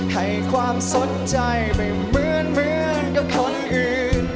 ให้ความสนใจไม่เหมือนกับคนอื่น